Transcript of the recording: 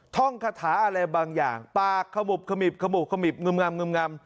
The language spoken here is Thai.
ท่องคาถาอะไรบางอย่างปากขมุบขมิบขมุบขมิบงึมงำ